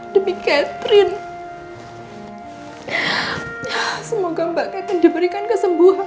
demi catherine semoga mbak catherine diberikan kesembuhan